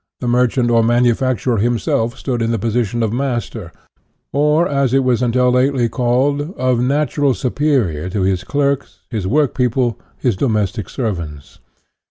The merchant or manufacturer himself stood in the position of master, or, as it was until lately called, of "natural superior" to his clerks, his workpeople, his domestic servants.